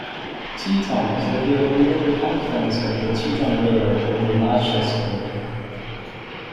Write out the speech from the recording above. Tieton is located near the confluence of the Tieton River with the Naches River.